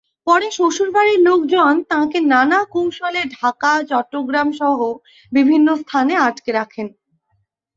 পরে শ্বশুরবাড়ির লোকজন তাঁকে নানা কৌশলে ঢাকা, চট্টগ্রামসহ বিভিন্ন স্থানে আটকে রাখেন।